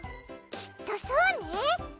きっとそうね。